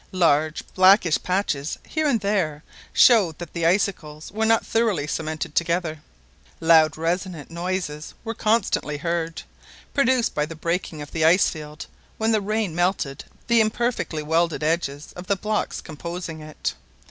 Large blackish patches here and there showed that the icicles were not thoroughly cemented together. Loud resonant noises were constantly heard, produced by the breaking of the ice field when the rain melted the imperfectly welded edges of the blocks composing it.